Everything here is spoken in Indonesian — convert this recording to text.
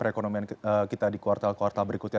perekonomian kita di kuartal kuartal berikutnya